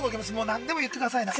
何でも言ってくださいな。